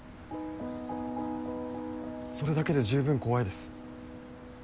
それだけで十分怖いです。